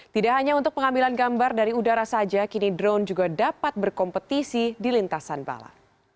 tidak hanya untuk pengambilan gambar dari udara saja kini drone juga dapat berkompetisi di lintasan bala